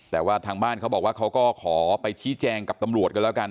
แต่ว่าทางบ้านเขาบอกว่าเขาก็ขอไปชี้แจงกับตำรวจกันแล้วกัน